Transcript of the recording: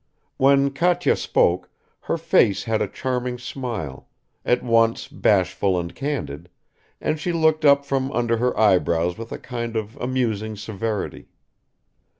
When Katya spoke, her face had a charming smile, at once bashful and candid, and she looked up from under her eyebrows with a kind of amusing severity.